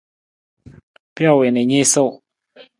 Pijo wii na i niisuu.